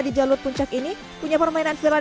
di jalur puncak ini punya permainan film